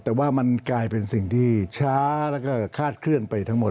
แต่ว่ามันกลายเป็นสิ่งที่ช้าแล้วก็คาดเคลื่อนไปทั้งหมด